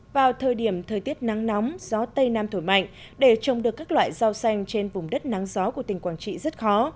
vào thời điểm thời tiết nắng nóng gió tây nam thổi mạnh để trồng được các loại rau xanh trên vùng đất nắng gió của tỉnh quảng trị rất khó